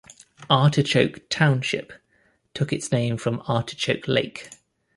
Artichoke Township took its name from Artichoke Lake.